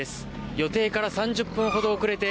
予定から３０分ほど遅れて